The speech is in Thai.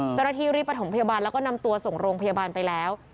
เจ้าหน้าที่รีบประถมพยาบาลแล้วก็นำตัวส่งโรงพยาบาลไปแล้ว